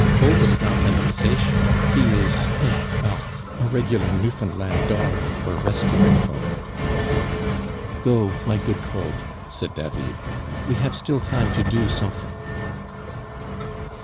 Kolb is not an Alsacien, he is eh! well a regular Newfoundland dog for rescuing folk." "Go, my good Kolb," said David; "we have still time to do something."